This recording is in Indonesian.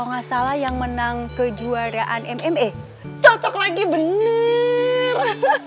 masalah yang menang kejuaraan mme cocok lagi bener